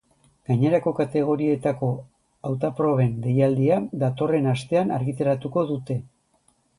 Gainerako kategorietako hautaproben deialdia datorren astean argitaratuko dute.